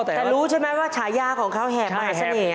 แต่รู้ใช่ไหมว่าฉายาของเขาแหบมาอาศนียะ